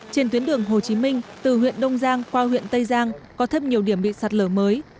trên tuyến đường hồ chí minh từ huyện đông giang qua huyện tây giang có thêm nhiều điểm bị sạt lở mới